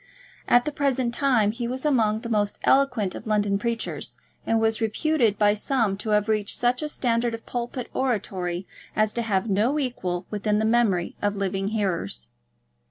At the present time he was among the most eloquent of London preachers, and was reputed by some to have reached such a standard of pulpit oratory as to have had no equal within the memory of living hearers.